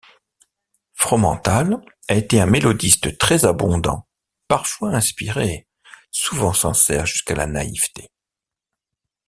Fromental a été un mélodiste très abondant, parfois inspiré, souvent sincère jusqu'à la naïveté.